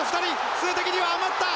数的には余った！